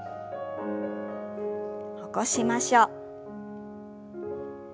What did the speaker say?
起こしましょう。